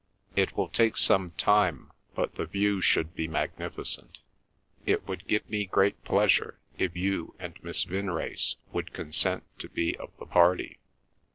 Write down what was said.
It will take some time, but the view should be magnificent. It would give me great pleasure if you and Miss Vinrace would consent to be of the party.